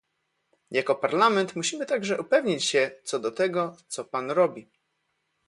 Jako Parlament musimy także upewnić się, co do tego, co pan robi